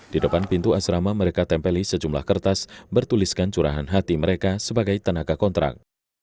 di depan pintu asrama mereka tempeli sejumlah kertas bertuliskan curahan hati mereka sebagai tenaga kontrak